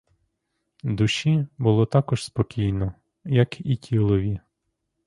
Душі було також спокійно, як і тілові.